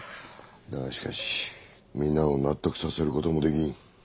だがしかし皆を納得させることもできん。